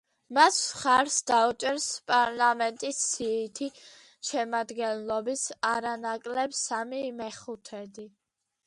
მას მხარს დაუჭერს პარლამენტის სიითი შემადგენლობის არანაკლებ სამი მეხუთედი.